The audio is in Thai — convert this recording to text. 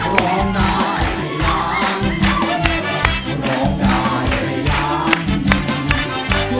ร้องได้ในเพลงเริ่มแบบนี้ค่ะ